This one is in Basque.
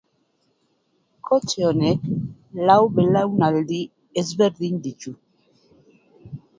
Kotxe honek lau belaunaldi ezberdin ditu.